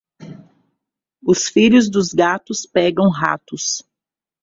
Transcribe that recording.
Os filhos dos gatos pegam ratos.